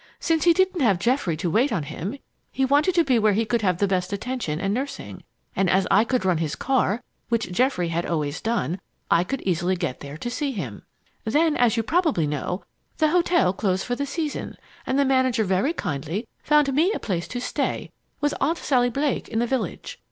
Since he didn't have Geoffrey to wait on him, he wanted to be where he could have the best attention and nursing, and as I could run his car, which Geoffrey had always done, I could get easily there to see him. Then, as you probably know, the hotel closed for the season, and the manager very kindly found me a place to stay with Aunt Sally Blake in the village.